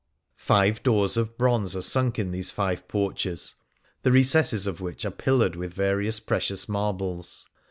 Five doors of bronze are sunk in these five porches, the recesses of which are pillared with various precious marbles.